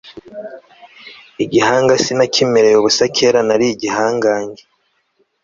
igihanga sinakimereye ubusa kera nari igihangange